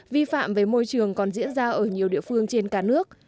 vi phạm về môi trường còn diễn ra ở nhiều địa phương trên cả nước